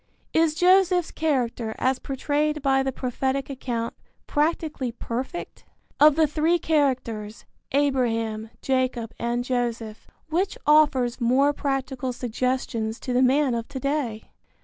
Is Joseph's character as portrayed by the prophetic account practically perfect? Of the three characters, Abraham, Jacob and Joseph, which offers more practical suggestions to the man of to day?